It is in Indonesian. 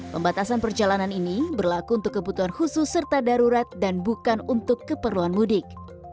pembatasan perjalanan ini berlaku untuk kebutuhan khusus serta darurat dan bukan untuk keperluan mudik